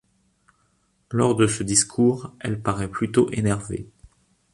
Lors de ce discours, elle paraît plutôt énervée.